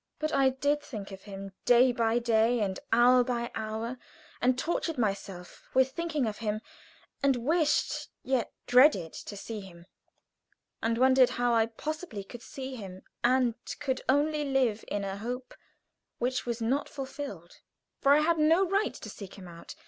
But I did think of him day by day and hour by hour, and tortured myself with thinking of him, and wished, yet dreaded, to see him, and wondered how I possibly could see him, and could only live on in a hope which was not fulfilled. For I had no right to seek him out.